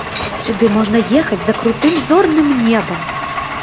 Сюды можна ехаць за крутым зорным небам!